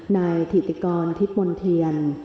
นายถิติกรทิพย์มนเทียน